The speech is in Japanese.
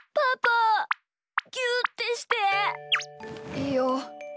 いいよ。